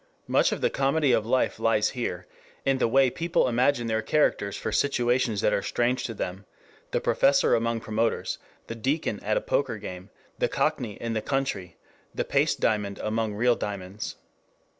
Much of the comedy of life lies here, in the way people imagine their characters for situations that are strange to them: the professor among promoters, the deacon at a poker game, the cockney in the country, the paste diamond among real diamonds.